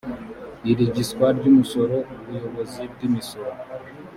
irigiswa ry umusoro ubuyobozi bw imisoro